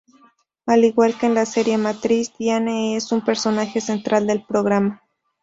Al igual que en la serie matriz, Diane es un personaje central del programa.